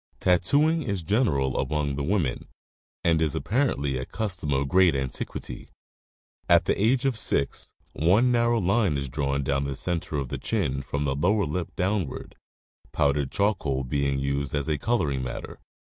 Tattoomg is general among the women, and is apparently a custom of great antiquity. At the age of six one narrow line is drawn down the center of the chin from the lower lip down ward, powdered charcoal being used as coloring matter.